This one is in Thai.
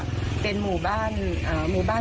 หมู่บ้านเป็นหมู่บ้านเป็นหมู่บ้าน